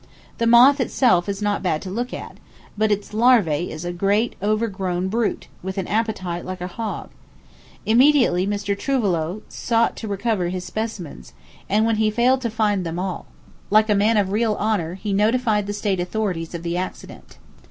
The moth itself is not bad to look at, but its larvae is a great, overgrown brute, with an appetite like a hog. Immediately Mr. Trouvelot sought to recover his specimens, and when he failed to find them all. like a man of real honor, he notified the State authorities of the accident.